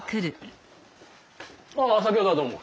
あ先ほどはどうも。